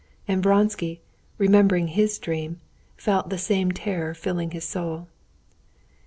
And Vronsky, remembering his dream, felt the same terror filling his soul.